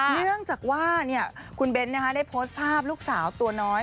เนื่องจากว่าคุณเบ้นได้โพสต์ภาพลูกสาวตัวน้อย